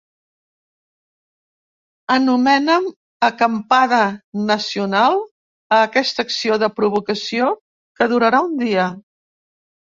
Anomenen ‘acampada nacional’ a aquesta acció de provocació que durarà un dia.